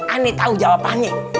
aneh tau jawabannya